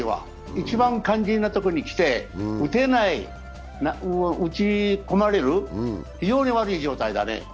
一番肝心なときにきて打てない、打ち込まれる、非常に悪い状態だね。